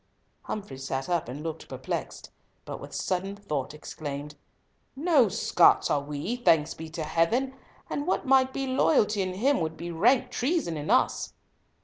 Humfrey sat up and looked perplexed, but with a sudden thought exclaimed, "No Scots are we, thanks be to Heaven! and what might be loyalty in him would be rank treason in us."